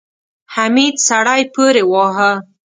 حميد سړی پورې واهه.